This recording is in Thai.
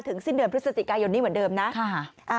สิ้นเดือนพฤศจิกายนนี้เหมือนเดิมนะ